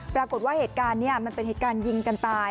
ปรากฏว่าเหตุการณ์นี้มันเป็นเหตุการณ์ยิงกันตาย